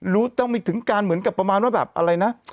ต้องไปถึงการเหมือนกับประมาณว่าแบบอะไรนะ